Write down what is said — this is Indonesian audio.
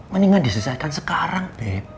mendingan diselesaikan sekarang beb